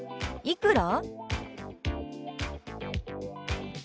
「いくら？」。